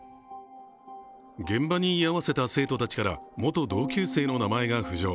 現場に居合わせた生徒たちから、元同級生の名前が浮上。